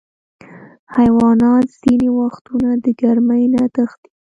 حیوانات ځینې وختونه د ګرمۍ نه تښتي.